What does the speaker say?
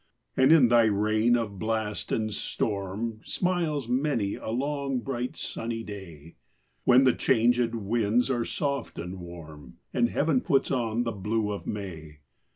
And, in thy reign of blast and storm, Smiles many a long, bright sunny day, When the changed winds are soft and warm, And heaven puts on the blue of May.